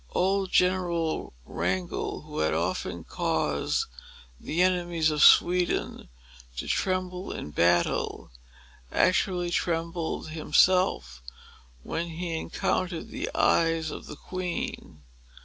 Old General Wrangel, who had often caused the enemies of Sweden to tremble in battle, actually trembled himself, when he encountered the eyes of the queen.